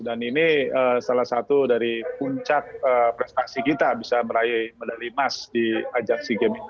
ini salah satu dari puncak prestasi kita bisa meraih medali emas di ajang sea games ini